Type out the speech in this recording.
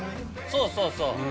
そうそうそう！